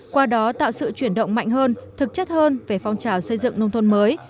qua đó tạo sự chuyển động mạnh hơn thực chất hơn về phong trào xây dựng nông thôn mới